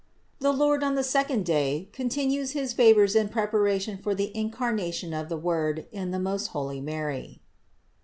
THE LORD ON THE SECOND DAY CONTINUES HIS FAVORS IN PREPARATION FOR THE INCARNATION OF THE WORD IN THE MOST HOLY MARY.